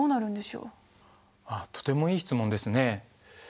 ああとてもいい質問ですね。